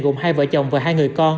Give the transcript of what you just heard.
gồm hai vợ chồng và hai người con